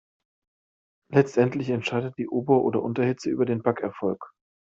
Letztendlich entscheidet die Ober- oder Unterhitze über den Backerfolg.